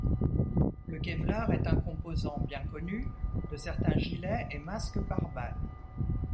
Le kevlar est un composant bien connu de certains gilets et masques pare-balles.